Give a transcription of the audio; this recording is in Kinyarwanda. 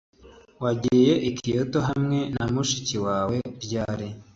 Wagiye i Kyoto hamwe na mushiki wawe ryari